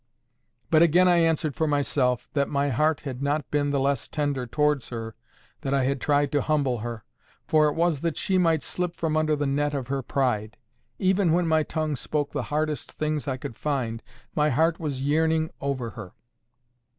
But again I answered for myself, that my heart had not been the less tender towards her that I had tried to humble her, for it was that she might slip from under the net of her pride. Even when my tongue spoke the hardest things I could find, my heart was yearning over her.